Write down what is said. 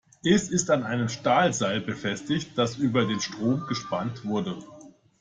Es ist an einem Stahlseil befestigt, das über den Strom gespannt wurde.